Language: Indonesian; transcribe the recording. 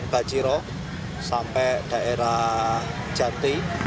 bajiro sampai daerah jati